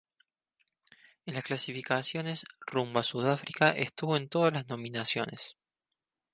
En las clasificatorias rumbo a Sudáfrica, estuvo en todas las nominaciones.